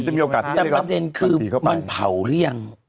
แต่ประเด็นคือมันเผาหรือยัง